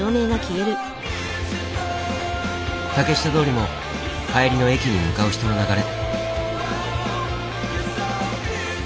竹下通りも帰りの駅に向かう人の流れ。